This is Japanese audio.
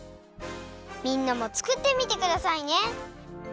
みんなもつくってみてくださいね。